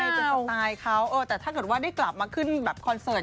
เป็นสไตล์เขาแต่ถ้าเกิดว่าได้กลับมาขึ้นแบบคอนเสิร์ต